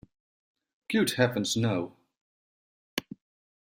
Good heavens, no.